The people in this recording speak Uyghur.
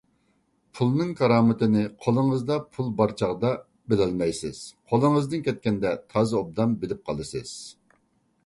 پۇلنىڭ كارامىتىنى قولىڭىزدا پۇل بار چاغدا بىلەلمەيسىز، قولىڭىزدىن كەتكەندە تازا ئوبدان بىلىپ قالىسىز.